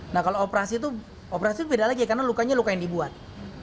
nah kalau operasi itu operasi beda lagi karena lukanya luka yang dibuat